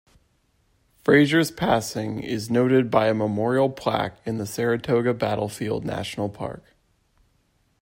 Fraser's passing is noted by a memorial plaque in the Saratoga Battlefield National Park.